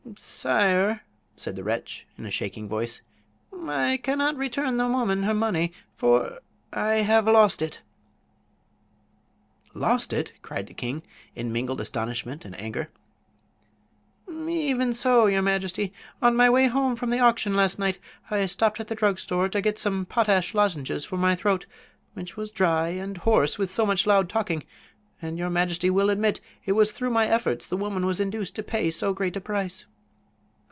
"Sire," replied the wretch, in a shaking voice, "I cannot return the woman her money, for I have lost it!" "Lost it!" cried the king, in mingled astonishment and anger. "Even so, your majesty. On my way home from the auction last night I stopped at the drug store to get some potash lozenges for my throat, which was dry and hoarse with so much loud talking; and your majesty will admit it was through my efforts the woman was induced to pay so great a price.